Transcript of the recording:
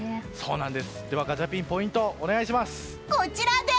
ガチャピンポイントをお願いします。